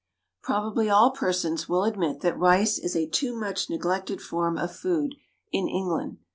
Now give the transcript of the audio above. Probably all persons will admit that rice is a too much neglected form of food in England.